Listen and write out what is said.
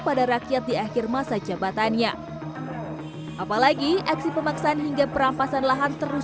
pada rakyat di akhir masa jabatannya apalagi aksi pemaksaan hingga perampasan lahan terus